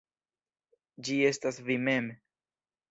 Ĝi estas vi mem.